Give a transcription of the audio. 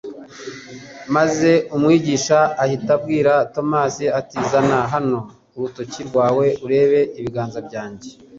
Maze Umwigisha ahita abwira Tomasi, ati: «Zana hano urutoki rwawe urebe ibiganza byanjye,